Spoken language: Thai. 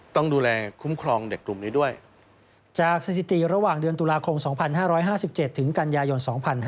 ตอนเดือนตุลาคม๒๕๕๗ถึงกันยายน๒๕๕๘